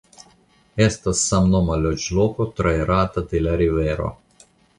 Estas samnoma loĝloko traitrata de la rivero.